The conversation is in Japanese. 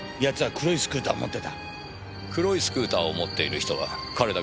黒いスクーターを持っている人は彼だけではありません。